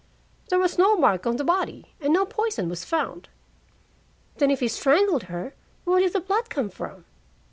"There was no mark on the body, and no poison was found." "Then if he strangled her, where did the blood come from?"